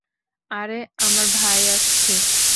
আরে, আমার ভাই আসছে।